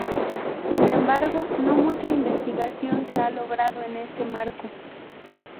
Sin embargo, no mucha investigación se ha logrado en este marco.